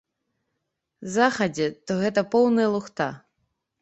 Захадзе, то гэта поўная лухта.